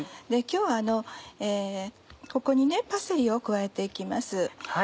今日はここにパセリを加えて行きます。